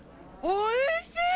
おいしい！